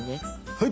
はい！